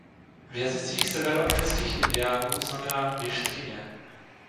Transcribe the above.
V jazycích severoamerických indiánů znamená "věštkyně".